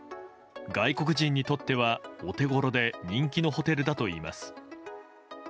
外国人にとってはお手ごろで人気のホテルだといいます。